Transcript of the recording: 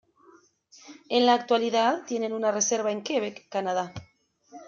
En la actualidad tienen una reserva en Quebec, Canadá.